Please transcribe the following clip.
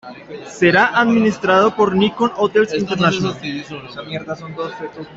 Será administrado por Nikko Hotels International.